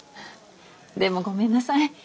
でもごめんなさい。